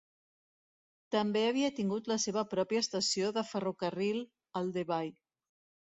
També havia tingut la seva pròpia estació de ferrocarril Aldeby.